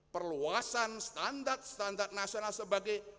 perluasan standar standar nasional sebagai